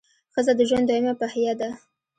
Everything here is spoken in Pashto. ښځه د ژوند دویمه پهیه ده.